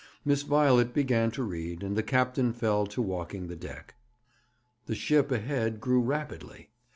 Miss Violet began to read, and the captain fell to walking the deck. The ship ahead grew rapidly.